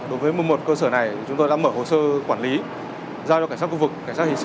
đối với một cơ sở này chúng tôi đã mở hồ sơ quản lý giao cho cảnh sát khu vực cảnh sát hình sự